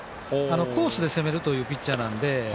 コースで攻めるというピッチャーなんで。